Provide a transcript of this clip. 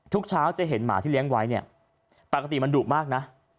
ทุกเช้าจะเห็นหมาที่เลี้ยงไว้เนี่ยปกติมันดุมากนะ